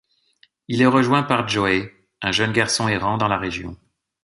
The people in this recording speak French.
Il est rejoint par Joey, un jeune garçon errant dans la région.